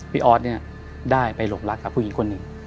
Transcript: ออสเนี่ยได้ไปหลงรักกับผู้หญิงคนหนึ่ง